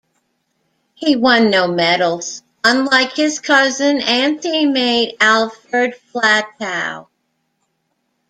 He won no medals, unlike his cousin and teammate Alfred Flatow.